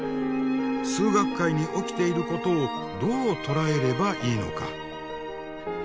数学界に起きていることをどう捉えればいいのか。